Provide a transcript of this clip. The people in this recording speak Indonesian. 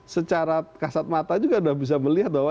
secara kasat mata juga sudah bisa melihat bahwa